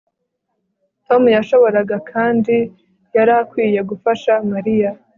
Tom yashoboraga kandi yari akwiye gufasha Mariya